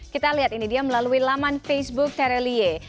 kita lihat ini dia melalui laman facebook tere lie